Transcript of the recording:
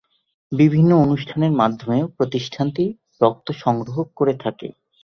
বিভিন্ন অনুষ্ঠানের মাধ্যমেও প্রতিষ্ঠানটি রক্ত সংগ্রহ করে থাকে।